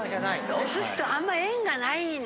お寿司とあんま縁がないんだ。